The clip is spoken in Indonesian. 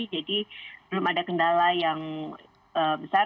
jadi belum ada kendala yang besar